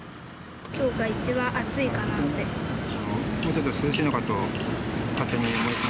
きょうが一番暑いかなって。